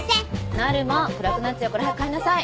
なるも暗くなっちゃうから早く帰んなさい。